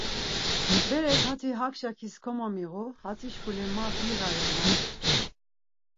Berek hati hak şakis komomiğu, hatzişkule ma biğare' ma butzvi.